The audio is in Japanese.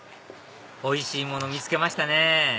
おいしいもの見つけましたね